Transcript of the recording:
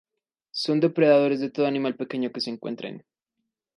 Son depredadores de todo animal pequeño que se encuentren.